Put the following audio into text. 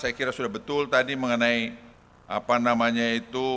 saya kira sudah betul tadi mengenai apa namanya itu